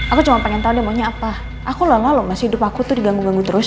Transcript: aku cuma pengen tahu deh maunya apa aku lelah loh masih hidup aku tuh diganggu ganggu terus